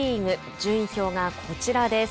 順位表がこちらです。